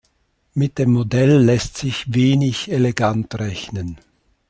Mit dem Modell lässt sich wenig elegant rechnen.